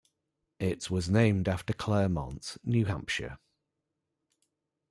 It was named after Claremont, New Hampshire.